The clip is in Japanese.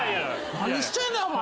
何してんねんお前。